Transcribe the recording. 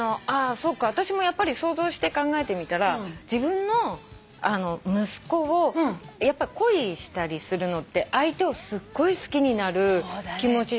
そっか私もやっぱり想像して考えてみたら自分の息子恋したりするのって相手をすっごい好きになる気持ちでしょ。